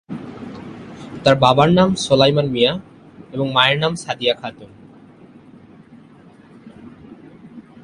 তার বাবার নাম সোলায়মান মিয়া এবং মায়ের নাম সাদিয়া খাতুন।